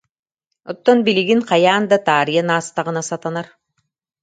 Оттон билигин хайаан да таарыйан аастаҕына сатанар